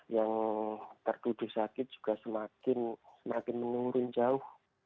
yang tertuduh sakit juga semakin menurun jauh